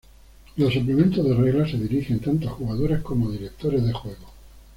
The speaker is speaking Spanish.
Los suplementos de reglas se dirigen tanto a jugadores como a directores de juego.